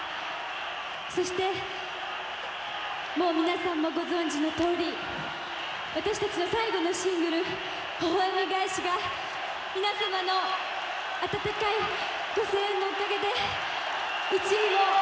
そしてもう皆さんもご存じのとおり私たちの最後のシングル「微笑がえし」が皆様の温かいご声援のおかげで１位を取らせて頂くことができました。